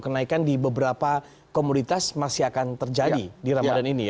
kenaikan di beberapa komoditas masih akan terjadi di ramadhan ini